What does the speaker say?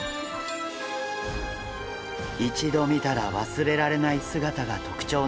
一度見たら忘れられない姿が特徴の魚です。